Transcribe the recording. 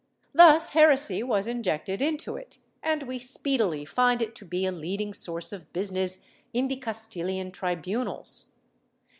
^ Thus heresy was injected into it and we speedily find it to be a leading source of business in the Castilian tribunals.